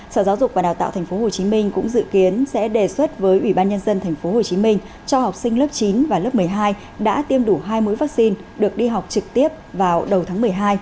sở giáo dục và đào tạo tp hcm cũng dự kiến sẽ đề xuất với ủy ban nhân dân tp hcm cho học sinh lớp chín và lớp một mươi hai đã tiêm đủ hai mũi vaccine được đi học trực tiếp vào đầu tháng một mươi hai